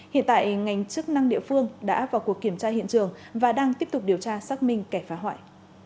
hiện tại ngành chức năng địa phương đã vào cuộc kiểm tra hiện trường và đang tiếp tục điều tra xác minh kẻ phá hoại